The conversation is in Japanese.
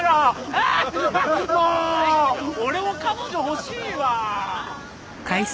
俺も彼女欲しいわ。